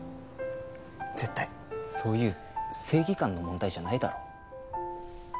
そういう正義感の問題じゃないだろ。